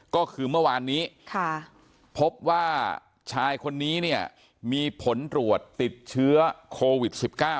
ก็คือเมื่อวานนี้พบว่าชายคนนี้เนี่ยมีผลตรวจติดเชื้อโควิด๑๙